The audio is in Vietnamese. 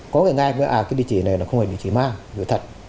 có người nghe à cái địa chỉ này nó không phải địa chỉ ma điều thật